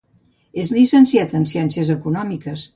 És llicenciat en Ciències Econòmiques.